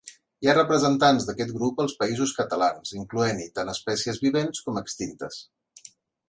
Hi ha representants d'aquest grup als Països Catalans, incloent-hi tant espècies vivents com extintes.